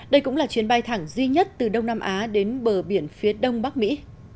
đây cũng là chuyến bay thẳng duy nhất từ đông nam á đến bờ biển phía đông bắc mỹ